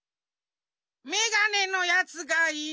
メガネのやつがいる。